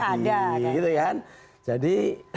tapi ada kan jadi